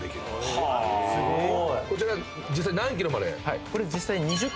こちら実際何キロまで？